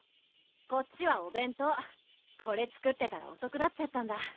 こっちはお弁当これ作ってたらおそくなっちゃったんだ